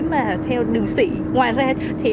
mà theo đường sĩ ngoài ra thì